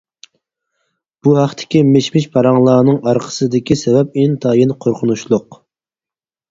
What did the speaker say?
بۇ ھەقتىكى مىش-مىش پاراڭلارنىڭ ئارقىسىدىكى سەۋەب ئىنتايىن قورقۇنچلۇق.